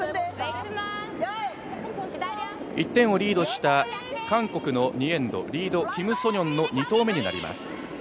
ＪＴ１点をリードした韓国の２エンド、リード、キム・ソニョンの２投目になります。